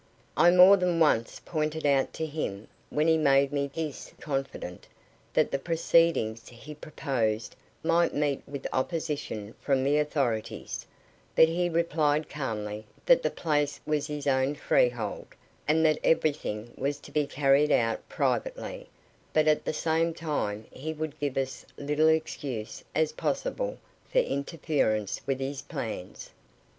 I more than once pointed out to him, when he made me his confidant, that the proceedings he proposed might meet with opposition from the authorities, but he replied calmly that the place was his own freehold, and that everything was to be carried out privately, but at the same time he would give as little excuse as possible for interference with his plans.